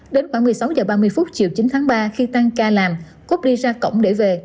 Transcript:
đến khoảng một mươi sáu h ba mươi phút chiều chín tháng ba khi tăng ca làm cút đi ra cổng để về